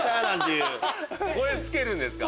これつけるんですか。